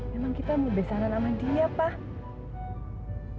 memang kita mau besanan sama dia pak